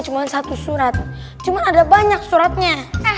cuma satu surat cuma ada banyak suratnya